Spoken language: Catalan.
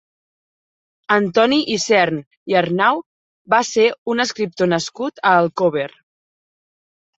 Antoni Isern i Arnau va ser un escriptor nascut a Alcover.